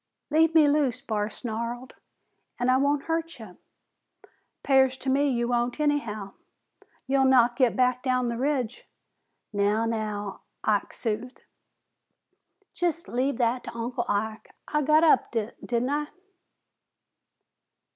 "Leave me loose," Barr snarled, "an' I won't hurt ye." "'Pears to me you won't anyhow." "Ye'll not git back down the ridge!" "Now, now," Ike soothed, "jest leave that to Uncle Ike. I got up it, didn't I?"